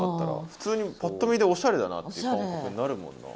普通にパッと見でおしゃれだなっていう感覚になるもんな。